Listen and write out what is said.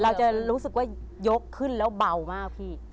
เราจะรู้สึกว่ายกขึ้นแล้วเบามากพี่